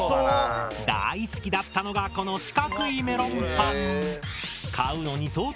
大好きだったのがこの四角いメロンパン。